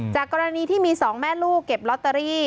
กรณีที่มีสองแม่ลูกเก็บลอตเตอรี่